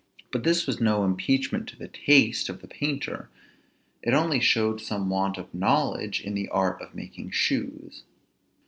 But this was no impeachment to the taste of the painter; it only showed some want of knowledge in the art of making shoes.